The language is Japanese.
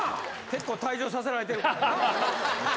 結構退場させられてるからな